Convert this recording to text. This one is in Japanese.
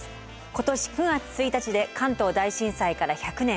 今年９月１日で関東大震災から１００年。